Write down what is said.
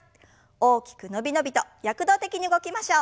大きく伸び伸びと躍動的に動きましょう。